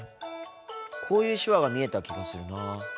こういう手話が見えた気がするなぁ。